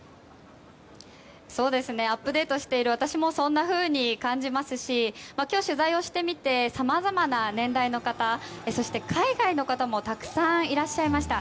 アップデートしている私もそんなふうに感じますし今日取材をしてみてさまざまな年代の方そして、海外の方もたくさんいらっしゃいました。